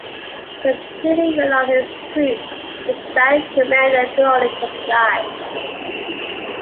Completely reliant on his troops, the Spanish commander could only comply.